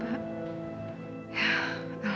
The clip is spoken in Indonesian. ya amin pak